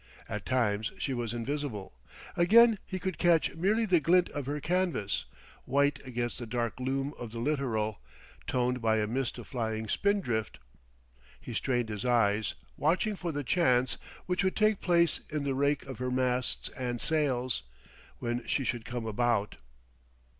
At times she was invisible; again he could catch merely the glint of her canvas, white against the dark loom of the littoral, toned by a mist of flying spindrift. He strained his eyes, watching for the chance which would take place in the rake of her masts and sails, when she should come about.